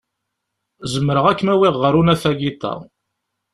Zemreɣ ad kem-awiɣ ɣer unafag iḍ-a.